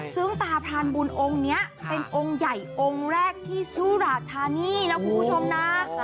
ซึ่งตาพรานบุญองค์นี้เป็นองค์ใหญ่องค์แรกที่สุราธานีนะคุณผู้ชมนะ